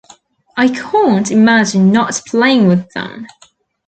I can't imagine not playing with them.